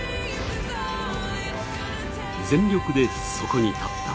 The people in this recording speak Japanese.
全力でそこに立った。